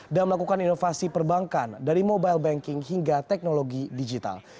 dan melakukan inovasi perbankan dari mobile banking hingga teknologi digital